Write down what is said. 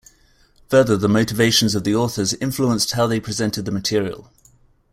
Further, the motivations of the authors influenced how they presented the material.